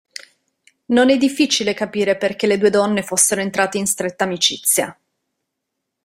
Non è difficile capire perché le due donne fossero entrate in stretta amicizia.